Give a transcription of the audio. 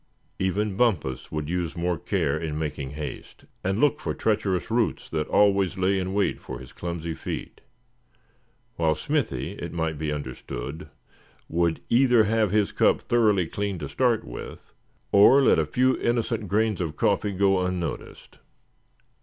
Even Bumpus would use more care in making haste, and look for treacherous roots that always lay in wait for his clumsy feet. While Smithy, it might be understood, would either have his cup thoroughly clean to start with, or let a few innocent grains of coffee go unnoticed.